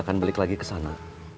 akan belik lagi kesana